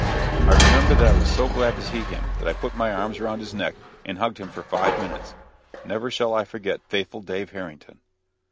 I remember that I was so glad to see him that I put my arms around his neck and hugged him for five minutes; never shall I forget faithful Dave Harrington.